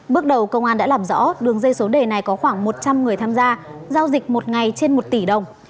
bước đầu công an đã làm rõ đường dây số đề này có khoảng một trăm linh người tham gia giao dịch một ngày trên một tỷ đồng